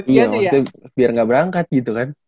iya maksudnya biar nggak berangkat gitu kan